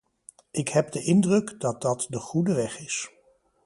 Ik heb de indruk dat dat de goede weg is.